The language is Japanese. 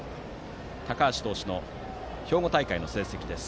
高橋投手の兵庫大会の成績です。